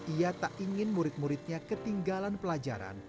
ia tak ingin murid muridnya ketinggalan pelajaran